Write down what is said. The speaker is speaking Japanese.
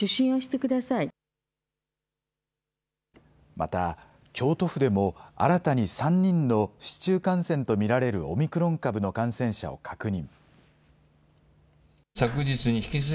また、京都府でも新たに３人の市中感染と見られるオミクロン株の感染者を確認。